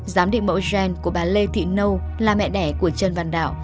giám định mẫu gen của bà lê thị nâu là mẹ đẻ của trần văn đạo